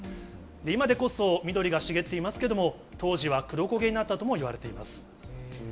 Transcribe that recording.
今でこそ緑が茂っていますけれども、当時は黒焦げになったともいわれています。